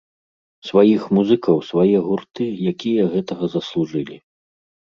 Сваіх музыкаў, свае гурты, якія гэтага заслужылі!